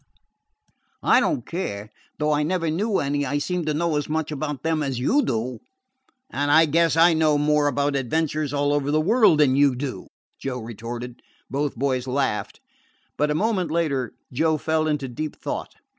I don't care; though I never knew any, I seem to know as much about them as you do." "And I guess I know more about adventures all over the world than you do," Joe retorted. Both boys laughed. But a moment later, Joe fell into deep thought.